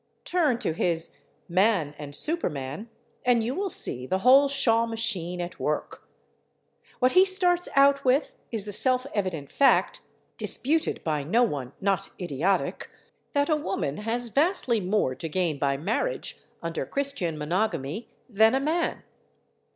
Turn to his "Man and Superman," and you will see the whole Shaw machine at work. What he starts out with is the self evident fact, disputed by no one not idiotic, that a woman has vastly more to gain by marriage, under Christian monogamy, than a man.